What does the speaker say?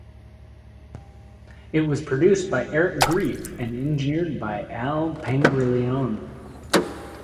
It was produced by Eric Greif and engineered by Al Pangeliron.